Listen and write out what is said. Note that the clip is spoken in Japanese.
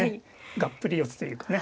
がっぷり四つというかね。